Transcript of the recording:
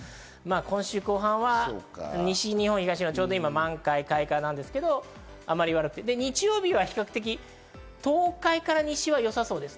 今週後半は西日本、東日本、ちょうど満開、開花なんですけど、あまり悪くて、日曜日は比較的、東海から西はよさそうです。